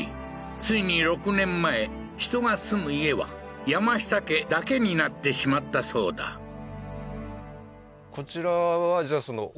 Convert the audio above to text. ついに６年前人が住む家は山下家だけになってしまったそうだあ